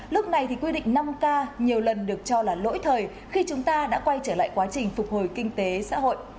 lúc này thì quy định năm k nhiều lần được cho là lỗi thời khi chúng ta đã quay trở lại quá trình phục hồi kinh tế xã hội